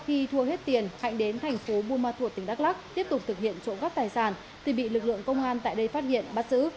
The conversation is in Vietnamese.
khi thua hết tiền hạnh đến thành phố buôn ma thuột tỉnh đắk lắc tiếp tục thực hiện trộm cắp tài sản thì bị lực lượng công an tại đây phát hiện bắt giữ